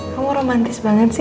kamu romantis banget sih